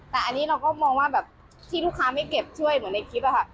แต่อันนี้เราก็มองว่าแบบที่ลูกค้าไม่เก็บช่วยเหมือนในคลิปอะค่ะ